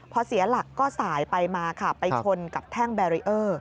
พอเสียหลักก็สายไปมาค่ะไปชนกับแท่งแบรีเออร์